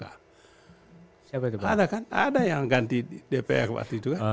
siapa ada kan ada yang ganti dpr waktu itu kan